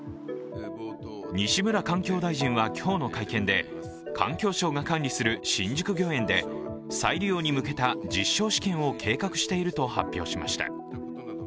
西村環境大臣は今日の会見で、環境省が管理する新宿御苑で再利用に向けた実証試験を計画していると発表しました。